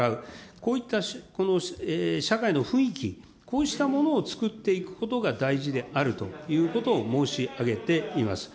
こういった社会の雰囲気、こうしたものをつくっていくことが大事であるということを申し上げています。